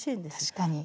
確かに。